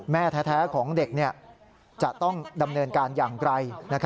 แม่แท้ของเด็กจะต้องดำเนินการอย่างไร